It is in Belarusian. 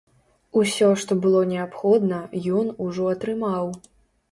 Усё, што было неабходна, ён ужо атрымаў.